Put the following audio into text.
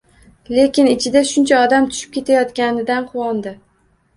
Lekin ichida shuncha odam tushib ketayotganidan quvondi.